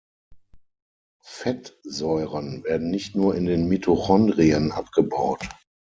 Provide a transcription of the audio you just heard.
Fettsäuren werden nicht nur in den Mitochondrien abgebaut.